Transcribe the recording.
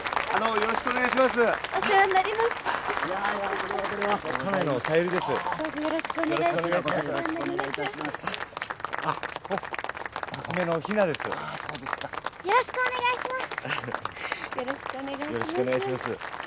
よろしくお願いします。